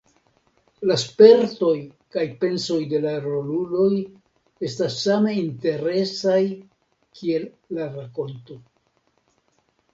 La spertoj kaj pensoj de la roluloj estas same interesaj kiel la rakonto.